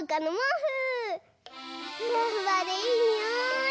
ふわふわでいいにおい！